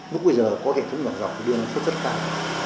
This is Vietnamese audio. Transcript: lúc bây giờ có hệ thống nhỏ rộng đưa lên xuất sắc cao